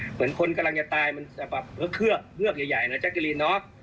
เหมือนคนกำลังจะตายมันจะแบบเฮือกเฮือกใหญ่เนอะจักรีน๊อค